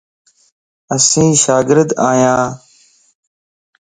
اسين شاگرد آھيان.